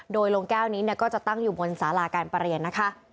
โดยโรงแก้วนี้ก็จะตั้งอยู่บนสาราการประเรียนนะคะ